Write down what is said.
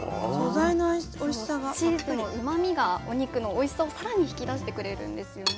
そのチーズのうまみがお肉のおいしさを更に引き出してくれるんですよね。